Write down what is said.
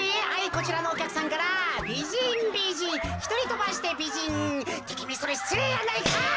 こちらのおきゃくさんからびじんびじんひとりとばしてびじんってきみそれしつれいやないかい！」。